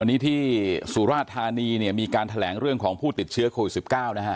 วันนี้ที่สุราธานีเนี่ยมีการแถลงเรื่องของผู้ติดเชื้อโควิด๑๙นะฮะ